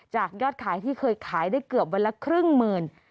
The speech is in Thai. ยอดขายที่เคยขายได้เกือบวันละครึ่งหมื่น